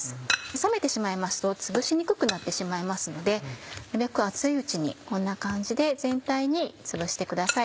冷めてしまいますとつぶしにくくなってしまいますのでなるべく熱いうちにこんな感じで全体につぶしてください。